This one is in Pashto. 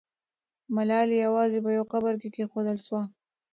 ملالۍ یوازې په یو قبر کې کښېښودل سوه.